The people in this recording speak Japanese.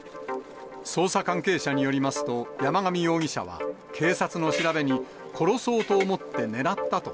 捜査関係者によりますと、山上容疑者は警察の調べに、殺そうと思って狙ったと、